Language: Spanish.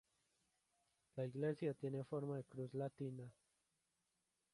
La iglesia tiene forma de cruz latina.